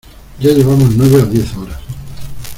ya llevamos nueve o diez horas.